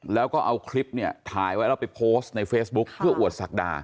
แล้วก็เอาคลิปเนี่ยถ่ายไว้แล้วไปโพสต์ในเฟซบุ๊คเพื่ออวดศักดา